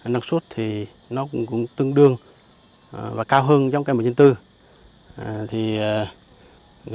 năng suất thì nó cũng tương đương và cao hơn dòng cây mùa chín mươi bốn